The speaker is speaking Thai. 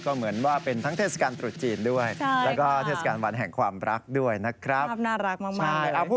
ก็เหมือนว่าเป็นทั้งเทศกาลตรุษจีนด้วยแล้วก็เทศกาลวันแห่งความรักด้วยนะครับน่ารักมาก